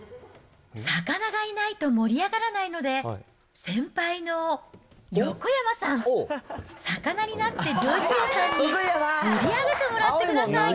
魚がいないと盛り上がらないので、先輩の横山さん、魚になって丈一郎さんに釣り上げてもらってください。